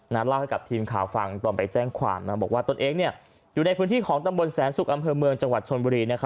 เล่าให้กับทีมข่าวฟังตอนไปแจ้งความบอกว่าตนเองอยู่ในพื้นที่ของตำบลแสนสุกอำเภอเมืองจังหวัดชนบุรี